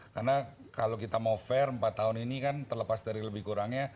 karena kalau kita mau fair empat tahun ini kan terlepas dari lebih kurangnya